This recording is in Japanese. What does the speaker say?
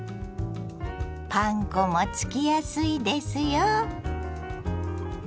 パン粉もつきやすいですよ。